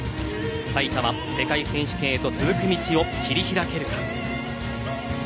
さいたま世界選手権へと続く道を切り開けるか。